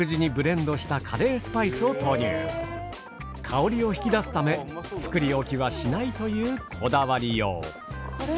香りを引き出すため作り置きはしないというこだわりよう。